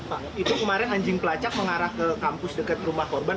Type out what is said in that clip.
pak itu kemarin anjing pelacak mengarah ke kampus dekat rumah korban